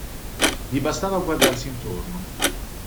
Gli bastava guardarsi intorno.